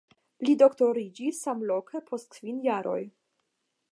Li doktoriĝis samloke post kvin jaroj.